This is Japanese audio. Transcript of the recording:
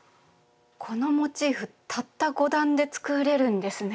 このモチーフたった５段で作れるんですね。